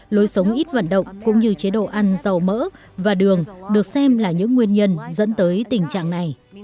lối sống ít vận động cũng như chế độ ăn dầu mỡ và đường được xem là những nguyên nhân dẫn tới tình trạng này